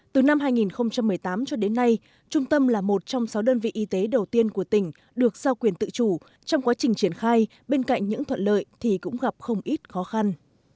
từ năm hai nghìn một mươi tám cho đến nay trung tâm là một trong sáu đơn vị y tế đầu tiên của tỉnh được giao quyền tự chủ trong quá trình triển khai bên cạnh những thuận lợi thì cũng gặp không ít khó khăn